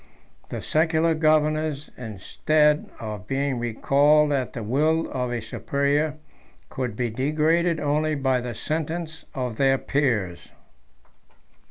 The secular governors, instead of being recalled at the will of a superior, could be degraded only by the sentence of their peers.